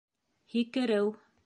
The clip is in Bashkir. Һикереү